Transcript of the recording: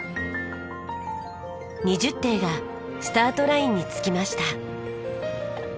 ２０艇がスタートラインにつきました。